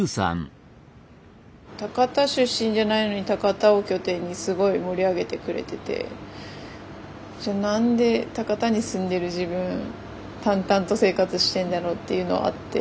高田出身じゃないのに高田を拠点にすごい盛り上げてくれててじゃ何で高田に住んでる自分淡々と生活してんだろうっていうのはあって。